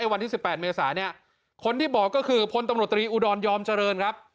วันที่๑๘เมษาเนี่ยคนที่บอกก็คือพลตำรวจตรีอุดรยอมเจริญครับ